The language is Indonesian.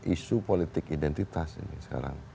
isu politik identitas ini sekarang